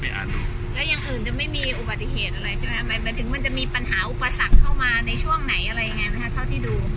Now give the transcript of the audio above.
เป็นแห่งที่ดู